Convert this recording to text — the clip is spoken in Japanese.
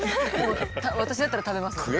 私だったら食べます。